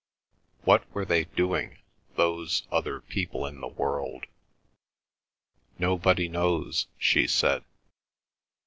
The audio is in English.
What were they doing, those other people in the world? "Nobody knows," she said.